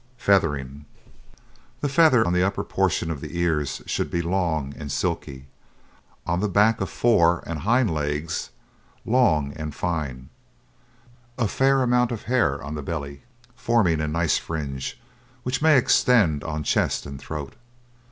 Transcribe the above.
FEATHERING The feather on the upper portion of the ears should be long and silky; on the back of fore and hind legs long and fine; a fair amount of hair on the belly, forming a nice fringe, which may extend on chest and throat.